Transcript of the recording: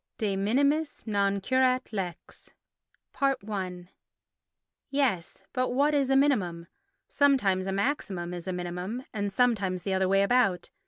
De Minimis non Curat Lex i Yes, but what is a minimum? Sometimes a maximum is a minimum, and sometimes the other way about.